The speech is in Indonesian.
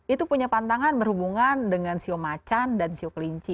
itu punya pantangan berhubungan dengan sio macan dan siu kelinci